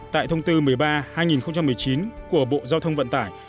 tại thông tư một mươi ba hai nghìn một mươi chín của bộ giao thông vận tải